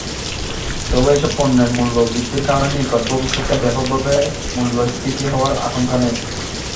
তবে এসব পণ্যের মূল্যবৃদ্ধির কারণে নিকট ভবিষ্যতে ব্যাপকভাবে মূল্যস্ফীতি হওয়ার আশঙ্কা নেই।